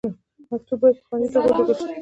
مکتوب باید په خوندي توګه ولیږل شي.